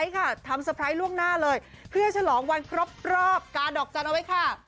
ค่ะทำล่วงหน้าเลยเพื่อฉลองวันครอบครอบการดอกจันทร์เอาไว้ค่ะ